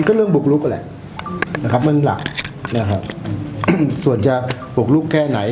ก็เรื่องบุกลุกนั่นแหละนะครับมันหลักนะฮะส่วนจะบุกลุกแค่ไหน